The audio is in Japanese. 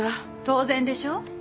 当然でしょ。